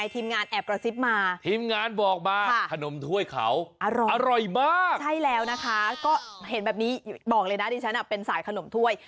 แต่ฉันเป็นสายขนมถ้วย